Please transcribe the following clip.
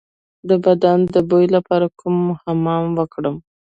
د بدن د بوی لپاره کوم حمام وکړم؟